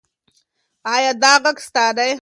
ایا دا غږ ستا و؟